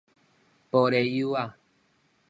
玻璃幼仔